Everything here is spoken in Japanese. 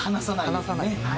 離さない。